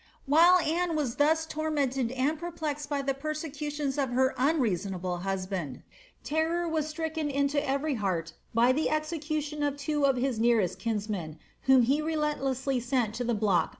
^ While Anne was thus tormented and perplexed by the persecutioos of her unreasonable husband, terror was stricken into every heart by the execution of two of his nearest kinsmen, whom he relenUessIy sent to the block on the 3d of March.